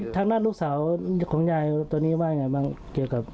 ทางด้านลูกสาวของยายตัวนี้ว่ายังไงบ้างเกี่ยวกับ